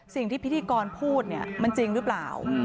พิธีกรพูดเนี่ยมันจริงหรือเปล่า